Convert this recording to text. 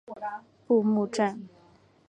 布目站。